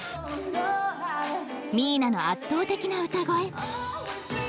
［ミーナの圧倒的な歌声］